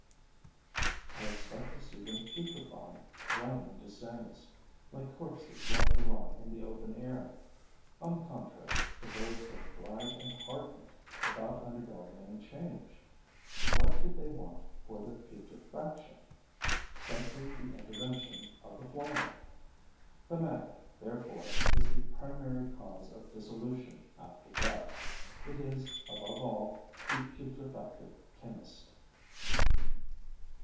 I expected to see them putrefying, running into sanies, like corpses left to rot in the open air. On the contrary, the birds have dried and hardened, without undergoing any change. What did they want for their putrefaction? Simply the intervention of the fly. The maggot, therefore, is the primary cause of dissolution after death; it is, above all, the putrefactive chemist.